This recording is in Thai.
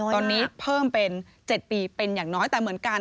ตอนนี้เพิ่มเป็น๗ปีเป็นอย่างน้อยแต่เหมือนกัน